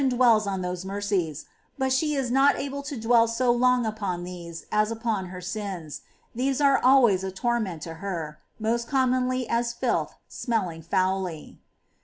dwells on those mercies, — but she is not able to dwell so long upon these as upon her sins ; these are always a torment to her, most commonly as filth smelling foully.